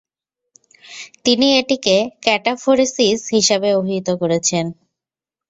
তিনি এটিকে ক্যাটাফোরেসিস হিসাবে অভিহিত করেছেন।